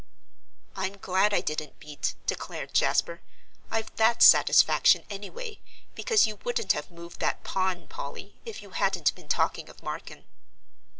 "I'm glad I didn't beat," declared Jasper. "I've that satisfaction, anyway, because you wouldn't have moved that pawn, Polly, if you hadn't been talking of Marken."